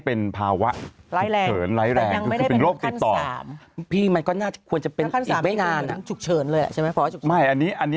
เป็นหลายแรง